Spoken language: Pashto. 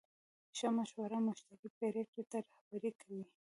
ښه مشوره مشتری پرېکړې ته رهبري کوي.